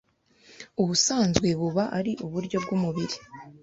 ubusanzwe buba ari uburyo bw’umubiri